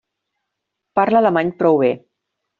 Parla alemany prou bé.